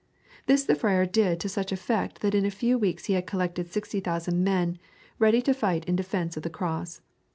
This the friar did to such effect that in a few weeks he had collected 60,000 men, ready to fight in defence of the Cross.